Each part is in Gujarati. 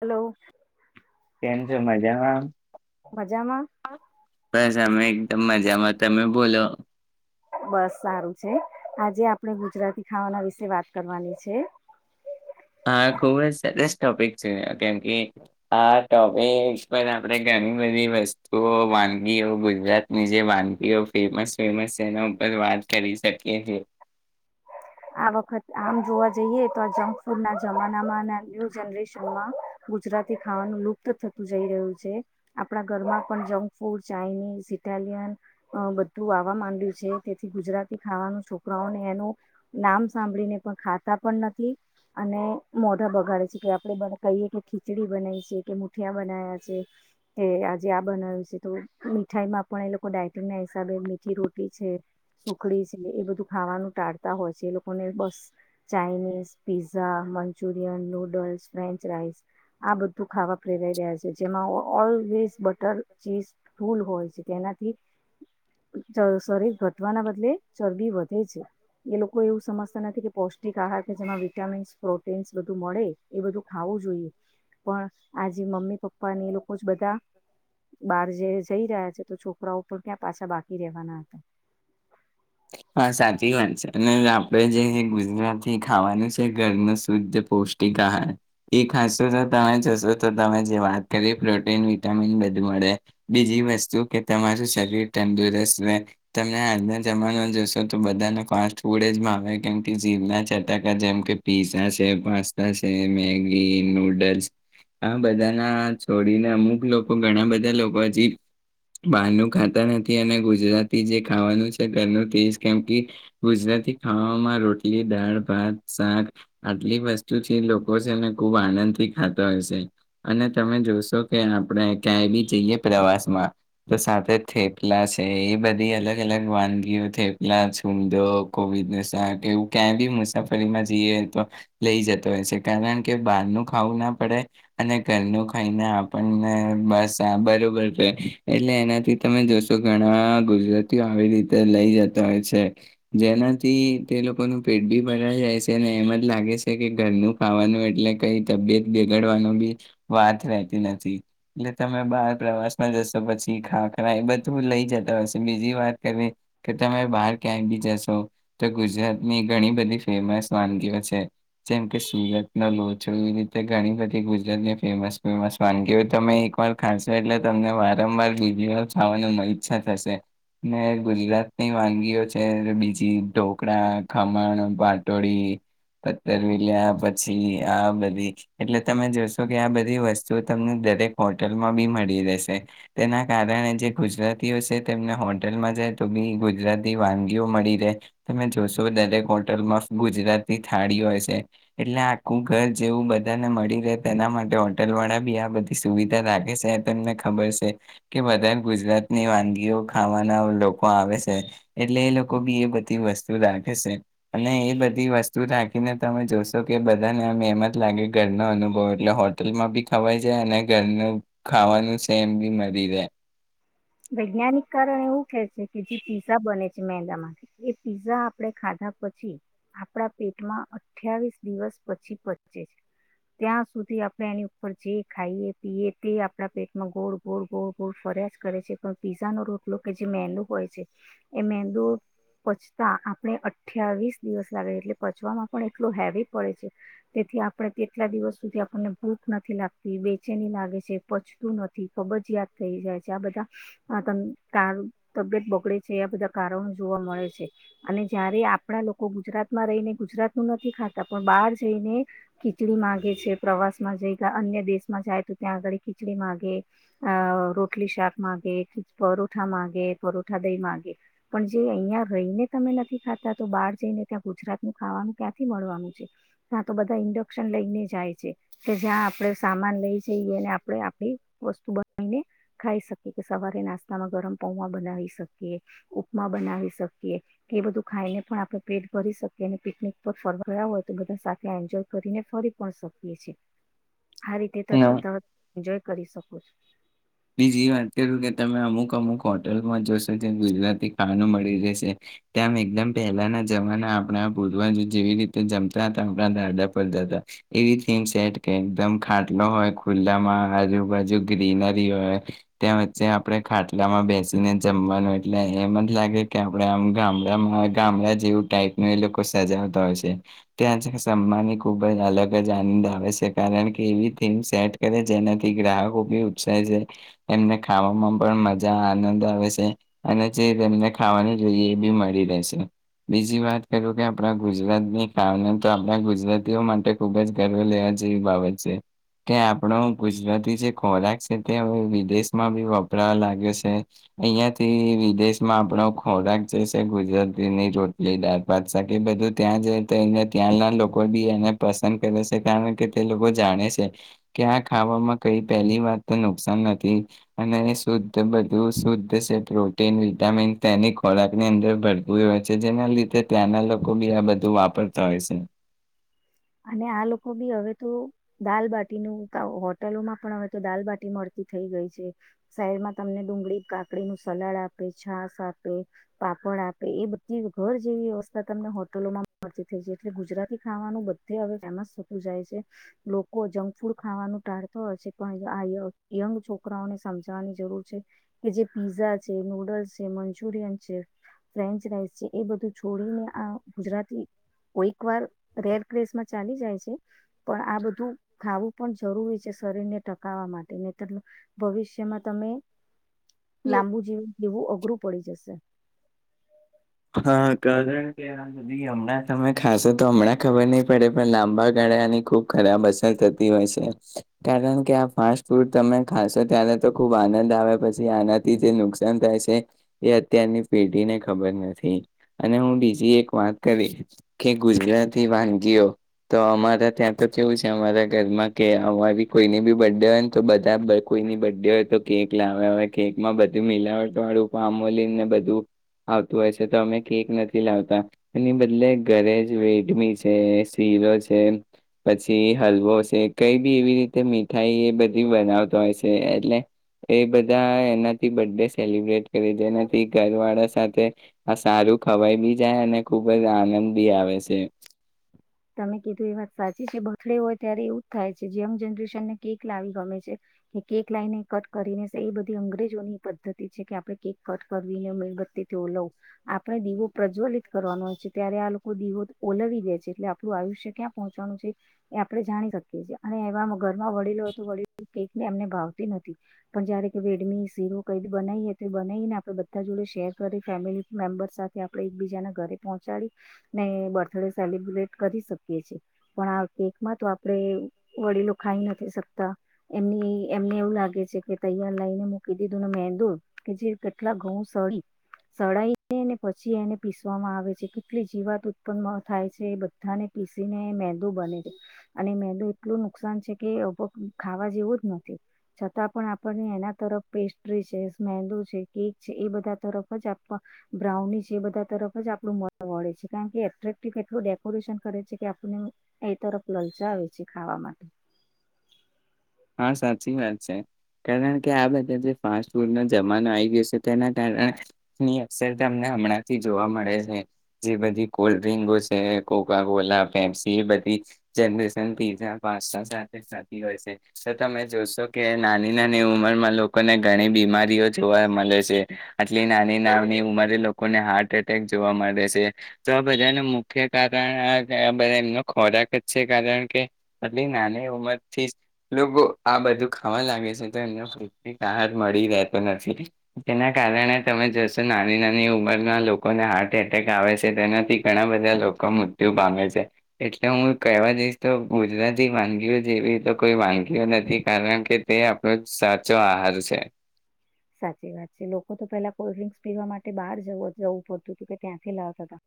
હલો. કેમ છો મજામાંમ? મજામાં બસ અમે એકદમ મજામાં તમે બોલો. બસ સારું છે આજે આપણેે ગુજરાતી ખાવાના વિશે વાત કરવાની છે. હા ખૂબ જ સરસ ટોપિક છે કેમકે આ ટોપિક પર આપણે ઘણી બધી વસ્તુઓ વાનગીઓ ગુજરાતની જે વાનગીઓ ફેમસ ફેમસ છે એના ઉપર વાત કરી શકીએ છીએ. આ વખત આમ જોવા જઈએ તો આ જંક ફૂડ ના જમાનામાં ન્યુ જનરેશનમાં ગુજરાતી ખાવાનું લુપ્ત થતું જઈ રહ્યું છે આપણા ઘરમાં પણ જંક ફૂડ ચાઇનીઝ ઇટાલિયન બધું આવવા માંડ્યું છે તેથી ગુજરાતી ખાવાનું છોકરાઓને એનું નામ સાંભળીને પણ ખાતા પણ નથી અને મોઢા બગાડે છે કે આપડણે કહીએ કે ખીચડી બનાવી છે કે મુઠિયા બના્યા છે કે આજે આ બનાય્યું છે તો મીઠાઈમાં પણ એ લોકો ડાયટંગ ના હિસાબે મીઠી રોટી છે સુખડી છે એ બધું ખાવાનું ટાળતા હોય છે. જે લોકોને બસ Chinese pizza Manchurian noodles French rice આ બધું ખાવા પ્રેરાઈ રહ્યા છે જેમાં ઓલવેઝ બટર ચીઝ ફૂલ હોય છે તેનાથી શરીર ઘટવાના બદલે ચરબી વધે છે એ લોકો એવું સમસ્યા નથી કે પૌષ્ટિક આહાર કે જેમાં વિટામીન્સ પ્રોટીન્સ બધું મળે એ બધું ખાવું જોઈએ પણ આજ મમ્મી પપ્પા ને એ લોકો જ બધા બાર જે જઈ રહ્યા છે તો છોકરાઓ પણ ક્યાં પાછા બાકી રહેવાના. હતા. હા સાચી વાત છે અને આપણે જે ગુજરાતી ખાવાનું છે ઘરનું શુદ્ધ પૌષ્ટિક આહાર એ ખાાસો તો તમે જશો તો તમે જે વાત કરી પ્રોટીન વિટામીન બધું મળે બીજી વસ્તુ કે તમારું શરીર તંદુરસ્ત રહે. તમે આજના જમાના જોશો તો બધાના ફાસ્ટ ફૂડ જ આવે કેમ કે જીવના ચટાકા જેમ કે પીઝા છે પાસ્તા છે મેગી નૂડલ્સ આ બધાના છોડીને અમુક લોકો ઘણા બધા લોકો હજી બારનું ખાતા નથી અને ગુજરાત જે ખાવાનું છે ઘરનું તેજ કેમ કે ગુજરાતી ખામાં રોટલી દાળ ભાત શાક આટલી વસ્તુ છે લોકો છે ને ખૂબ આનંદથી ખાતા હોય છે અને તમે જોશો કે આપણે ક્યાંય બી જઈએ પ્રવાસમાં તો સાથે થેપલા છે એ બધા લા છૂમો કોવિડ ન શાક એવું ક્યાંય બી મુસાફરીમાં જઈએ તો લઈ જતો હોય છે કારણ કે બહાર ન ખાવું ના પડે અને ઘરનું ખાઈને આપણને બસ બરોબર રહે એટલે એનાથી તમે જોશો ઘણા આવી રીતે લઈ જતા હોય છે જેનાથી તે લોકોનું પેટ બી ભરાઈ જાય છે અને એમ જ લાગે છે કે ઘરનું ખાવાનું એટલે કઈ તબિયત બગાડવાનું બી વાત રહેતી નથી એટલે તમે બાર પ્રવાસમાં જશો પછી ખા ખરા એ બધું લઈ જતા હોય. બીજી વાત કરીવી કે તમે બહાર ક્યાંય બી જશો તો ગુજરાત ની ઘણી બધી ફેમસ વાનગીઓ છે. જેમ કે સુરત ન લો જો એ રીતે ઘણી બધી ગુજરાતની ફેમસ ફેમસ વાનગીઓ તમે એક વાર ખાશો એટલે તમને વારંવાર બીજી વાર ખાવાની મ ઈચ્છા થશે. ને ગુજરાતની વાનગીઓ છે બીજી ઢોકળા ખમણ પાટોળી પથરવીલ્યા પછી આ બધી એટલે તમે જોશો કે આ બધી વસ્તુઓ તમને દરેક હોટલમાં બી મળી રહેશે તેના કારણે જે ગુજરાતીઓ છે તેમને હોટલમાં જાય તો બી ગુજરાતી વાનગીઓ મળી રહે તમે જોશો દરેક હોટલમાં ગુજરાતી થાળી હોય છે એટલે આખું ઘર જેવું બધાને મળી રહે તેના માટે હોટલ વાળા બી આ બધી સુવિધા રાાગે છે તમને ખબર છે કે બધા ગુજરાતની વાનગીઓ ખાવાના લોકો આવે છે એટલે એ લોકો બી એ બધી વસ્તુ રાખે છે અને એ બધી વસ્તુ રાખીને તમે જોશો કે બધાનેમત લાગે ઘરનો અનુભવ એટલે હોટલમાં બી ખવાય જાય અને ઘરનું ખાવાનું સેમ બી મળી રહે. વૈજ્ઞાનિક કારણ એવું છે કે જે પીસા બને. મેદામાંથી એ પીઝા આપણે ખાધા પછી આપડા પેટમાં અઠ્યાવીસ દિવસ પછી પચચે છે ત્યાં સુધી આપણે એની ઉપર જે ખાઈએ પીએ તે આપડા પેટમાં ગોળ ગોળ ગોળ ગોળ ફર્યા જ કરે છે. પીઝા નો રોટલો કે જે મેંદુ હોય છે એ મેંદુ પચતા આપણે અઠ્યાવીસ દિવસ લાગે છે એટલે પચવામાં પણ એટલોું હેવી પડે છે તેથી આપણે તેટલા દિવસ સુધી આપણને ભૂખ નથી લાગતી બેચેની લાગે છે પચતું નથી કબજયાદ થઈ જાય છે આ બધા આ તબિયત બગડે છે આ બધા કારણો જોવા મળે છે અને જ્યારે આપણા લોકો ગુજરાતમાં રહીને ગુજરાતનું નથી ખાતા પણ બહાર જઈને ખીચડી મામાંગે છે પ્રવાસમાં જઈ અન્ય દેશમાં જાય તો ત્યાં આગળ ખીચડી માગે અ રોટલી શાક માગે પરોઠા મામાંગે પરોઠા દહી માંગે પણ જે અહિયાં રહીને તમે નથી ખાતા તો બહાર જઈને ત્યાં ગુજરાત નું ખાવાનું ક્યાંથી મળવાનું છે ત્યાં તો બધા ઇન્ડક્શન લઈને જાય છે કે જ્યાં આપણે સામાન લઈ જઈએ ને આપણે આપણી વસ્તુ બનાવીને ખાઈ શકીએ સવારે નાસ્તામાં ગરમ પૌવા બનાવી શકીએ ઉપમા બનાવી શકીએ કે બધું ખા ખાઈ ને પણ આપણે પેટ ભરી શકીએ પિકનિક પર ફરવાયા હોય તો બધા સાથે એન્જોય કરીને ફરી પણ શકીએ છએ આ રીતે તર એન્જોય કરી શક [inaudible] બીજી વાત કરુ કે તમે અમુક અમુક હોટલમાં જોશો જે ગુજરાતી ખાવાનું મળી રહેશે ત્યા એકદમ પહેલાના જમાના આપણા પૂર્વાજ જેવી રીતે જમતા હતા આપણા દાદા પર દાદા એવીમ સેટ કે એકદમ ખાટલો હોય ખુલ્લામાં આજુબાજુ ગ્રીનર હોય ત્યાં વચ્ચે આપણે ખાટલામાં બેસીને જમવાનું એટલે એમ જ લાગે કે આપણે આમ ગામડામાં ગામડા જેવું ટાઈપ નુ એ લોકો સજાવતા હોય છે ત્યાં જમવાની ખુબ જ અલગ જ આનંદ આવે છે કારણ કે એવીથીમ સેટ કરે જેનાથી ગ્રાહકો ભી એમ ને ખાવામાં પણ મજા આનંદ આવે છે અને જે તેમને ખાવાની જોઈએ એ ભી મળી રહેશે બીજી વાત કરું કે આપણા ગુજરાતની ખવા તો આપણા ગુજરાતીઓ માટે ખુબ જ ગર્વ લેવા જેવી બાબત છે કે આપણો ગુજરાતી જે ખોરાક કે તે હવે વિદેશમાં ભી વપરાવા લાગ્યો છે અહીયાંથી વિદેશમાં આપણો ખોરાક જે છે ગુજરાતીની રોટલી દાળ ભાત શાક એ બધું ત્યાં જ તોને ત્યાંના લોકો ભી એને પસંદ કરે છે કારણ કે તે લોકો જાણે છે કે આ ખાવામાં કઈ પહેલી વાત તો નુકસાન નથી અને શુદ્ધ બધું શુદ્ધ જે પ્રોટીન વિટામીન તેની ખોરાકની અંદર ભરતું હોય છે જેના લીધે ત્યાંના લોકો ભી આ બધું વાપરતા હોય છે અને આ લોકો બી હવે તો દાલબાટી નુ હોટલોમાં પણ હવે તો દાલબાટી મળતી થઈ ગઈ છે સાઈડમાં તમને ડુંગળી કાકડી નું સલાડ આપે છાસ આપે પાપડ આપે એ બધી ઘર જેવી વ્યવસ્થા તમને હોટલોમાં મળતી થઈ છે એટલે ગુજરાતી ખાવાનું બધું તે હવે ફેમસ થતું જાય છે લોકો જંક ફૂડ ખાવાનું ટાળતો હ છે પણ આ યંગ છોકરાઓને સમજાવાની જરૂર છે કે જે પીઝા છે નુડલ્સ છે મંચુરિયન છે ફન્ચ રાઇસ છે એ બધું છોડીને આ ગુજરાતી કોઈકવાર રેડ માં ચાલી જાય છે પણ આ બધું ખાવું પણ જરૂરી છે શરીર ને ટકાવવા માટે ને તર ભવિષ્યમાં તમે લાંબુ જીવ જેવું અઘરું પડી જશે હા કારણ કે સુધ હમણાં તમે ખાશો તો હમણાં ખબર નહી પડે પણ લાંબા ગાળા આની ખુબ ખરાબ અસર થતી હોય છે કારણ કે આ ફાસ્ટ ફૂડ તમે ખાશો ત્યારે તો ખુબ આનંદ આવે પછી આનાથી જે નુકસાન થાય છે એ અત્યારની પેઢીને ખબર નથી અને હું બીજી એક વાત કરી કે ગુજરાતી વાનગીઓ તો અમારા ત્યાં તો કેવું છે અમારા ઘરમાં કે અમા ભી કોઈની બી બર્થ ડે હોય ને તો બધા કોઈની બર્થ ડે હોય તો કેક લાવ્યા હોય કેકમાં બધું મિલાવટ વાળું ફમોલીને બધું આવતું હોય છે અ કેક નથી લાવતા એની બદલે ઘરે જ વેડમી છે શીરો છે પછી હલવો છે કઈ ભી એવી રીતે મીઠાઈ એ બધી બનાવતો હોય છે એટલે એ બધા એનાથી બ ડે સેલબ્રેટ કરી એનાથી ઘર વાળા સાથે આ સારું ખવાય ભી જાય અને ખુબ જ આનંદ ભી આવે છે તમે કીધું એ વાત સાચી છે બથડે હોય ત્યારે એવું જ થાય છે યંગ જનરેશનને કેક લાવી ગમે છે કે કેક લાવને કટ કરીને એ બધી અંગ્રેજોની પદ્ધતિ છે કે આપણે કેક કટ કરવીને મીણબત્તી થી ઓલવું આપણે દીવો પ્રજ્વલિત કરવાનો હોય છે ત્યારે આ લોકો દીવો ઓલાવી દે છે એટલે આયુષ્ય ક્યાં પહોંચવાનું છે એ આપણે જાણી શકીએ છીએ અને એવા ઘરમાં વડીલોય તો વડીલો કેક ને એમને ભાવતી નથી પણ જય કે વેડમી સીરો કઈ બનાવીએ તો બનાવીને આપણે બધા જોડે શેર કરી ફેમિલી મેમ્બર્સ સાથે આપણે એકબીજા ના ઘરે પહોંચાડી ને બર્થડે સેલિબ્રેટ કરી શકીએ છેએ પણ આ કેકમાં તો આપણેે વડીલો ખાઈ નથી શકતા એમની એમને એવું લાગે છે કે તૈયાર લઈને મૂકી દીધું ને મેહેંદુ કે જે કેટલા ઘઉં સડી સળાયને પછી એને પીસવામાં આવે છે કેટલી જીવાત ઉત્પન્ન થાય છે એ બધ બધાં ને પીસીને મેંદુ બને છે અને મેંદુ એટલું નુકસાન છે કેભ ખાવા જેવું જ નથી છતાં પણ આપણને એના તરફ પેસ્ટ્રી છે મેંદુ છે કેક છે એ બધા તરફ જ બ્રાઉની છે એ બધા તરફ જ આપણું મ મળે છે કારણ કે એટ્રેક્ટિવ એટલું [unintelligible] કરે છે કે આપને એ તરફ લલચાવ છે ખાવા માટે હા સાચી વાત છે કારણ કે આ બધા જે ફાસ જમાનો આવી ગયો છે તેના કારણેની અસર તમને હમણાંથી જોવા મળે છે જે બધી કોલ્ડ ડ્રિકો છે કોકા કોલા પેપસી એ બધી જનરેન પીઝા પાસ્તા સાથે થતી હોય છે તો તમે જોશો કે નાની નાની ઉંમરમાં લોકોને ઘણી બીમારીઓ જોવા મળે છે આટલી નાની નાની ઉંમરે લોકોને હાર્ટ એટેક જોવા મળે છે તો આ બધાનું મુખ્ય કારણ બધા એમનો ખોરાક જ છે કારણ કે આટલી નાની ઉંમર થી લોકો આ બધું ખાવા લાગે છે તો એમ મળતો નથી તેના કારણે તમે જશો નાની નાની ઉંમરના લોકોને હાર્ટ એટેક આવે છે તેનાથી ઘણા બધા લોકો મૃત્યુ પામે છે એટલે હું કહેવા જઈશ તો ગુજરાતી વાનગીઓ જેવી તો કોઈ વાનગીઓ નથી કારણ કે તે આપણો સાચો આહાર છે સાચી વાત છે લોકો તો પેલા કોલ્ડ્રિંક્સ પીવા માટે બહાર જ જવું પડતું હતું કે ત્યાંથી લાવતા હતા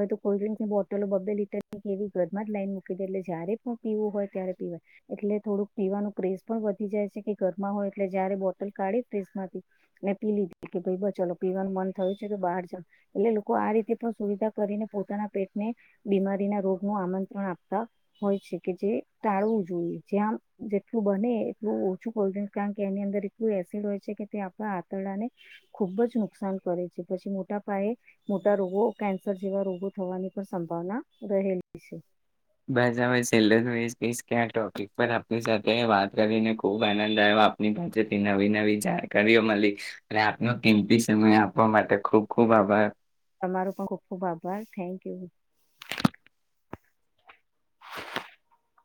હવે તો કોલ્ડ્રિંક્સની બોટલો બબે લીટર કે એવી ઘરમાં જ લાઈન મૂકી દે એટ જય્યારે પણ પીવું હોય ત્યારે પીવાય એટલે થોડુંક પીવાનું [unintelligible] પણ વધી જાય છે કે ઘરમાં હોય એટલે જારે બોટલ કાઢી [unintelligible] ને પીય લીધી કે ભાઈ ચાલ પીવાનું મન થયું છે તો બહાર ચાલ એટલે લોકો આ રીતે પણ સુવિધા કરીને પોતાના પેટને બીમારી ના રોગ નું આમંત્રણ આપતા હોય છે કે જે ટાળવું જોઈએ જ્યાં જેટલું બને એટલું ઓછું કોલ્ડ્રિંક કારણ કે એની અંદર એટલું એસિડ હોય છે કે તે આપણા આંતરડાને ખુબ જ નુકસાન કરે છે પછી મોટા પાયે મોટા રોગો કેન્સર જેવા રોગો થવાની પણ સંભાવના રહેલી છે ક્યાં ટોપિક પર આપની સાથે વાત કરીને ખુબ આનંદ આવ્યો આપની પાસેથી નવી નવી જાણકારીઓ મલી ને આપનો કીંમતી સમય આપ આપવા માટે ખૂબ ખૂબ આભાર તમારો પણ ખુબ ખુબ આભાર થેન્ક યુ